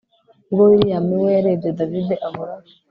ubwo william we yarebye david abura